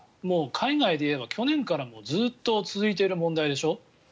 もう海外でいえば去年からずっと続いている問題でしょ。